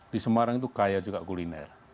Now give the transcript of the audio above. di semarang itu kaya juga kuliner